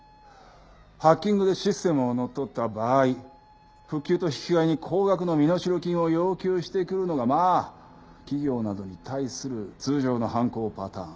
ハッキングでシステムを乗っ取った場合復旧と引き換えに高額の身代金を要求してくるのがまあ企業などに対する通常の犯行パターン。